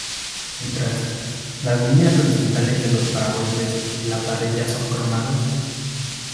Mientras, las líneas horizontales de los paragolpes y la parrilla son cromados.